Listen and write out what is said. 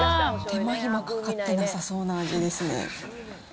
手間暇かかってなさそうな味ですね。